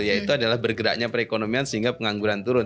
yaitu adalah bergeraknya perekonomian sehingga pengangguran turun